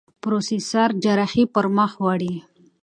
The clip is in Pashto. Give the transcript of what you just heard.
پروفېسر جراحي پر مخ وړي.